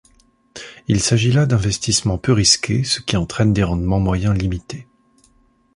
Il s'agit là d'investissements peu risqués, ce qui entraine des rendements moyens limités.